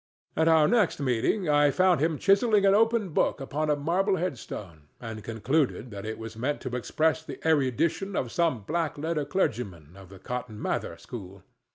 At our next meeting I found him chiselling an open book upon a marble headstone, and concluded that it was meant to express the erudition of some black letter clergyman of the Cotton Mather school.